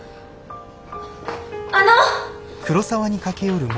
あの！